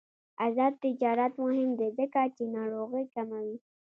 آزاد تجارت مهم دی ځکه چې ناروغۍ کموي.